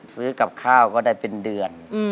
ซื้อกับข้าวก็ได้เป็นเดือน